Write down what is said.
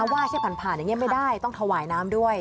ว่าใช่ผ่านยังไม่ได้ต้องถวายน้ำด้วย